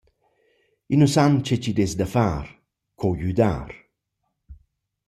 I nu san che ch’id es da far –co güdar.